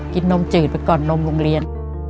นมจืดไปก่อนนมโรงเรียน